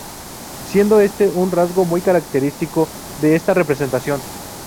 Siendo este un rasgo muy característico de esta representación.